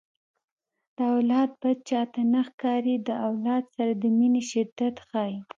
د اولاد بد چاته نه ښکاري د اولاد سره د مینې شدت ښيي